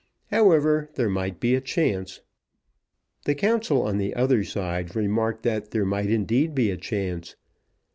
However, there might be a chance. The counsel on the other side remarked that there might, indeed, be a chance.